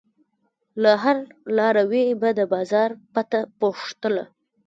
له هر لاروي به د بازار پته پوښتله.